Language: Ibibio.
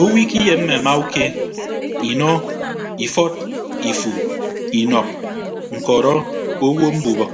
Owo ikiyemme amauke inọ ifọt ifu inọọk ñkọrọ owo mbubịk.